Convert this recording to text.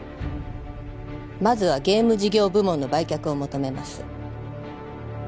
まずはゲーム事業部門の売却を求めます